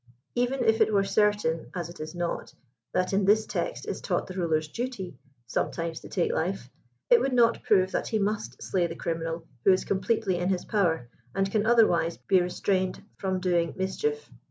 Even if it were certain, as it is not, that in this text is taught the ruler's duty sometimes to take life, it would not prove that he must slay the criminal who is completely in his power, and can otherwise be restrained from doing mischief.